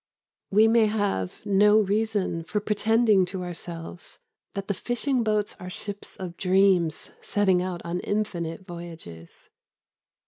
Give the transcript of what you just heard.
We may have no reason for pretending to ourselves that the fishing boats are ships of dreams setting out on infinite voyages.